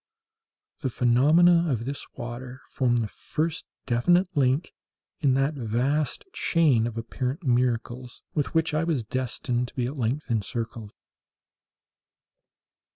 The phenomena of this water formed the first definite link in that vast chain of apparent miracles with which I was destined to be at length encircled.